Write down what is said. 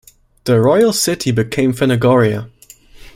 The Royal city became Phanagoria.